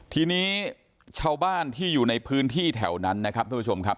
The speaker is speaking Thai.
ทีนี้ชาวบ้านที่อยู่ในพื้นที่แถวนั้นนะครับทุกผู้ชมครับ